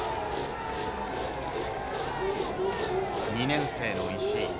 ２年生の石井。